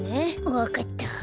わかった。